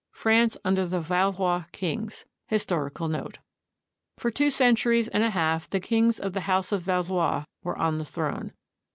Ill FRANCE UNDER THE VALOIS KINGS \ HISTORICAL NOTE For two centuries and a half the kings of the House of Valois were on the throne.